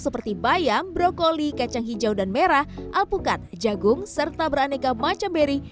seperti bayam brokoli kacang hijau dan merah alpukat jagung serta beraneka macam beri